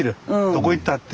どこ行ったって。